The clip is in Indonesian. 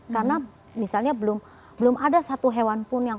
karena misalnya belum ada satu hewan pun